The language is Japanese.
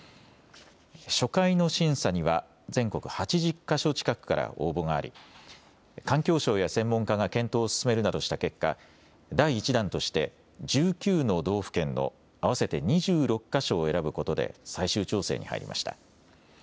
初回の審査には全国８０か所近くから応募があり環境省や専門家が検討を進めるなどした結果、第１弾として１９の道府県の合わせて２６か所を選ぶことで最終調整に入りました。